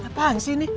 apaan sih ini